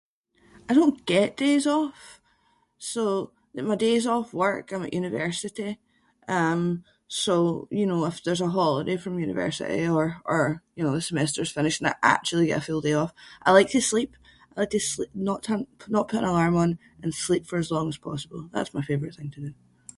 I don’t get days off! So, my days off work I’m at university um so, you know, if there’s a holiday from university or- or you know the semester’s finished and I actually get a full day off I like to sleep. I like to slee- not turn- not put an alarm on and sleep for as long as possible. That’s my favourite thing to do.